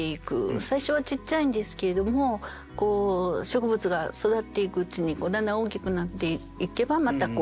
最初はちっちゃいんですけれども植物が育っていくうちにだんだん大きくなっていけばまた間引く。